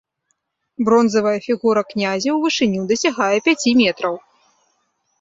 Бронзавая фігура князя ў вышыню дасягае пяці метраў.